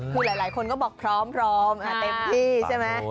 คือหลายคนก็บอกพร้อมเต็มที่ใช่ไหม